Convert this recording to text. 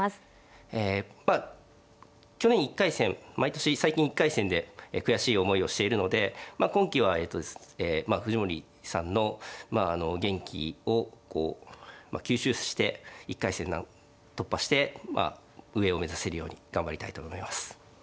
えまあ去年１回戦毎年最近１回戦で悔しい思いをしているので今期はえ藤森さんの元気をこう吸収して１回戦突破してまあ上を目指せるように頑張りたいと思います。